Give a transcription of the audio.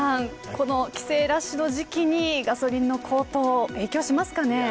この帰省ラッシュの時期にガソリンの高騰影響しますかね。